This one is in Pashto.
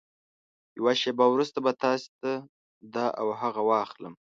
يوه شېبه وروسته به تاسې ته دا او هغه واخلم.